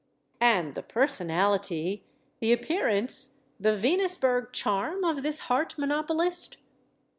And the personality, the appearance, the Venusberg charm of this heart monopolist?